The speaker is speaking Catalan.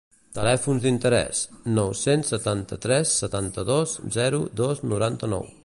Telèfons d'interès: nou-cents setanta-tres setanta-dos zero dos noranta-nou.